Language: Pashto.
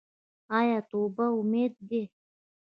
آیا توبه امید دی؟